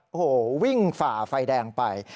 โอ้โหวิ่งฝ่าไฟแดงไป